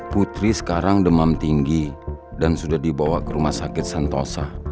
putri sekarang demam tinggi dan sudah dibawa ke rumah sakit santosa